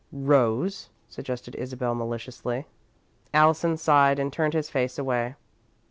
"Rose," suggested Isabel, maliciously. Allison sighed and turned his face away.